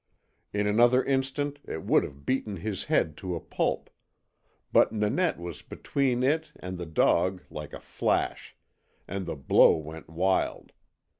In another instant it would have beaten his head to a pulp but Nanette was between it and the dog like a flash, and the blow went wild.